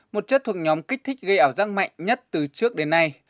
một chất thuộc nhóm kích thích gây ảo giác mạnh nhất từ trước đến nay